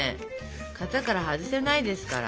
型から外せないですから。